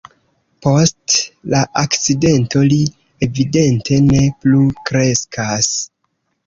Post la akcidento li evidente ne plu kreskas.